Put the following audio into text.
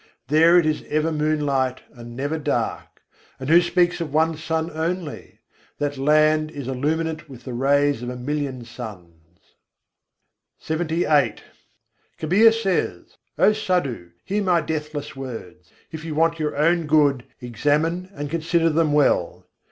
There it is ever moonlight and never dark; and who speaks of one sun only? that land is illuminate with the rays of a million suns. LXXVIII III. 63. kahain Kabîr, s'uno ho sâdho Kabîr says: "O Sadhu! hear my deathless words. If you want your own good, examine and consider them well.